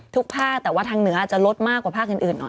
ภาคแต่ว่าทางเหนืออาจจะลดมากกว่าภาคอื่นหน่อย